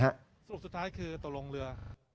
สรุปสุดท้ายคือตกลงเรือ